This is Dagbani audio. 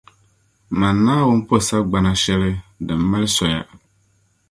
Mani Naawuni po sagbana shɛli din mali soya.